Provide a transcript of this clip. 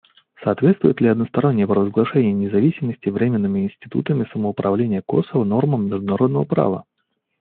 «Соответствует ли одностороннее провозглашение независимости временными институтами самоуправления Косово нормам международного права?».